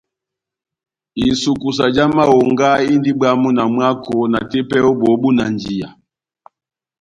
Isukusa já mahonga indi bwamu na mwako na tepɛ ó bóhó búnanjiya.